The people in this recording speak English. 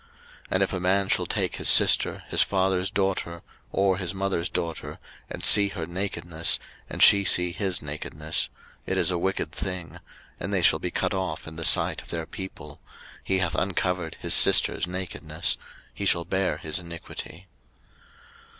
03:020:017 And if a man shall take his sister, his father's daughter, or his mother's daughter, and see her nakedness, and she see his nakedness; it is a wicked thing; and they shall be cut off in the sight of their people: he hath uncovered his sister's nakedness; he shall bear his iniquity.